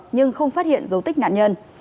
nhưng không phát hiện dấu tích nạn nhân